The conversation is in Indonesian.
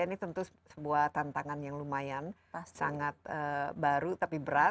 ini tentu sebuah tantangan yang lumayan sangat baru tapi berat